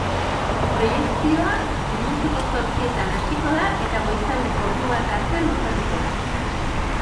Proiekzioa iluntzeko zortzietan hasiko da eta goizaldeko ordubata arte luzatuko da.